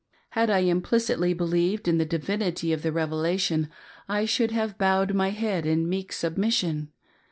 Had I implicitly believed in the divinity of the Revelation I should have bowed my head in meek submission.